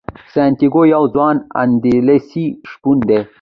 سانتیاګو یو ځوان اندلسي شپون دی.